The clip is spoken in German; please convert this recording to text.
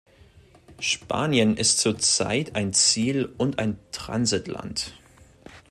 Spanien ist zurzeit ein Ziel- und ein Transitland.